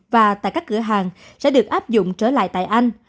và tại các cửa hàng sẽ được áp dụng trở lại tại anh